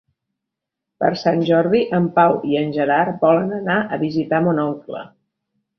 Per Sant Jordi en Pau i en Gerard volen anar a visitar mon oncle.